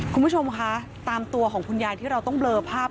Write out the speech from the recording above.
คุณผู้ชมคะตามตัวของคุณยายที่เราต้องเบลอภาพ